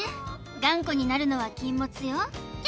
頑固になるのは禁物よ